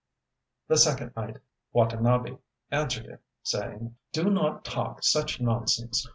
ŌĆØ The second knight, Watanabe, answered him, saying: ŌĆ£Do not talk such nonsense!